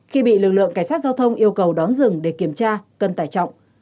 khi bị lực lượng cảnh sát giao thông yêu cầu đón dừng để kiểm tra cân tải trọng